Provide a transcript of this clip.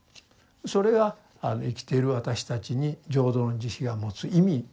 それが生きている私たちに浄土の慈悲が持つ意味なんですね。